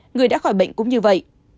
người đã khỏi bệnh cũng như vậy